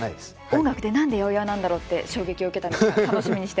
音楽で何で８０８なんだろうって衝撃を受けたので楽しみにしてます。